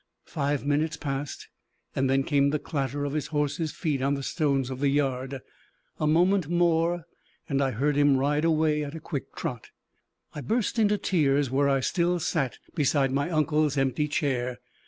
Five minutes passed, and then came the clatter of his horse's feet on the stones of the yard. A moment more, and I heard him ride away at a quick trot. I burst into tears where I still sat beside my uncle's empty chair.